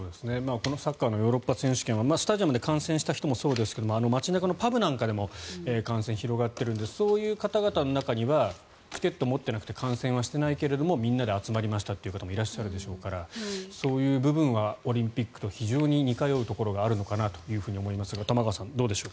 このサッカーのヨーロッパ選手権はスタジアムで観戦した人もそうですが街中のパブなんかでも感染が広がっているのでそういう方々の中にはチケットを持っていなくて観戦していなくてもみんなで集まりましたっていう方もいらっしゃるでしょうからそういう部分はオリンピックと非常に似通うところがあるのかなと思いますが玉川さん、どうでしょう。